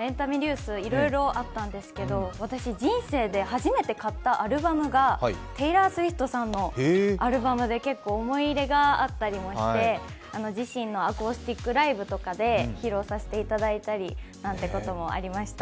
エンタメニュース、いろいろあったんですけど、私、人生で初めて買ったアルバムがテイラー・スウィフトさんのアルバムで、結構思い入れがあったりして自身のアコースティックライブとかで披露させていただいたり、なんてこともありました。